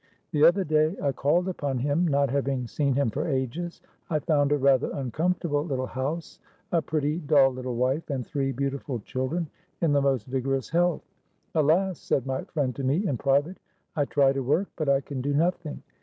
The other day, I called upon himnot having seen him for ages. I found a rather uncomfortable little house, a pretty, dull little wife, and three beautiful children in the most vigorous health. 'Alas!' said my friend to me in private, 'I try to work, but I can do nothing.